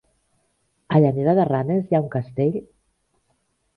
A Llanera de Ranes hi ha un castell?